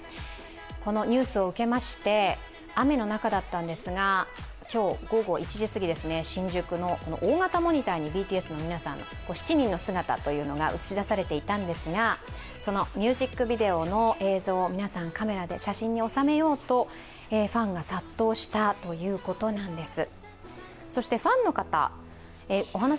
このニュースを受けまして、雨の中だったんですが、今日午後１時過ぎ、新宿の大型モニターにＢＴＳの皆さん、７人の姿が映し出されていましたが、そのミュージックビデオの映像を皆さん、カメラに映像で収めようとファンが殺到したということなんです。